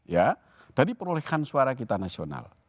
ya dari perolehan suara kita nasional